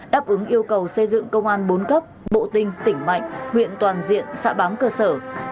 đáp ứng yêu cầu xây dựng công an bốn cấp bộ tinh tỉnh mạnh huyện toàn diện xã bám cơ sở